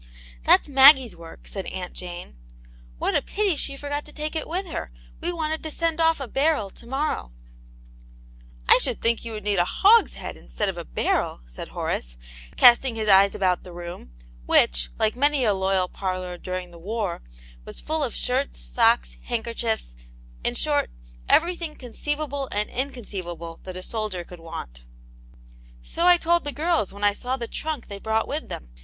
"That's Maggie's work," said Aunt Jane. "What a pity that she forgot to take it with her! We wanted to send off a barrel to morrow." " I should think you would need a hogshead in stead of a barrel," said Horace, casting his ej^es about the room, which, like many a loyal parlour during the war, was full of shirts, socV^,V'^tv^^\Os\\^'s»^ 6q Aunt Jane's Hero. in short, everything conceivable and inconceivable that a soldier could want '* So I told the girls when I saw the trunk they brought with them.